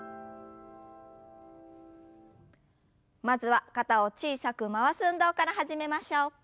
まずは肩を小さく回す運動から始めましょう。